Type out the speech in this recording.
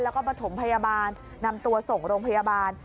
แล้วก็ประถมพยาบาลนำตัวส่งโรงพยาบาล